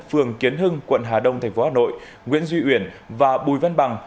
phường kiến hưng quận hà đông tp hcm nguyễn duy uyển và bùi văn bằng